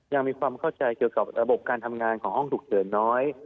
ยังมีความเข้าใจเกี่ยวกับระบบการทำงานของห้องฉุกเฉินน้อย